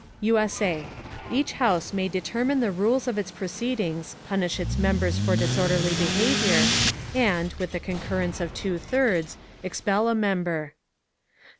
[USA] Each House may determine the Rules of its Proceedings, punish its Members for disorderly Behaviour, and, with the Concurrence of two thirds, expel a Member.